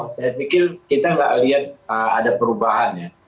saya pikir kita nggak lihat ada perubahannya